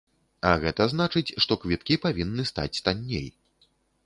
А гэта значыць, што квіткі павінны стаць танней.